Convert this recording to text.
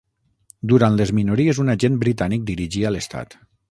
Durant les minories un agent britànic dirigia l'estat.